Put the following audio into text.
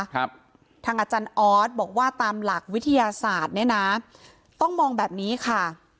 ทางอาจารย์ออสบอกว่าตามหลักวิทยาศาสตร์เนี้ยนะต้องมองแบบนี้ค่ะ